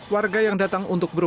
warga yang datang untuk berusaha